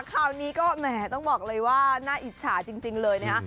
คราวนี้ก็แหมต้องบอกเลยว่าน่าอิจฉาจริงเลยนะฮะ